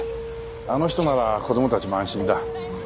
あの人なら子供たちも安心だ。